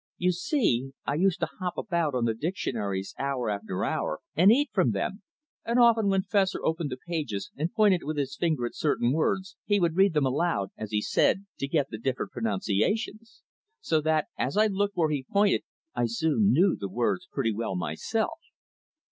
You see, I used to hop about on the dictionaries hour after hour, and eat from them, and often when Fessor opened the pages and pointed with his finger at certain words, he would read them aloud, as he said, to get the different pronunciations; so that, as I looked where he pointed, I soon knew the words pretty well myself.